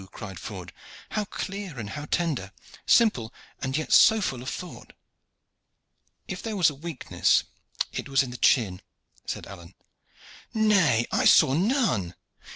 cried Ford. "How clear and how tender simple, and yet so full of thought!" "If there was a weakness it was in the chin," said Alleyne. "Nay. I saw none."